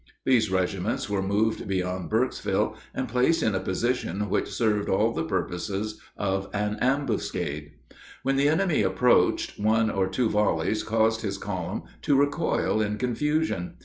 These regiments were moved beyond Burkesville and placed in a position which served all the purposes of an ambuscade. When the enemy approached, one or two volleys caused his column to recoil in confusion.